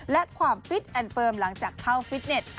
และความฟิตแอนดเฟิร์มหลังจากเข้าฟิตเน็ต